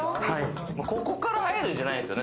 ここから入るんじゃないですよね？